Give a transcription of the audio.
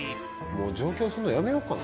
もう上京すんのやめようかな。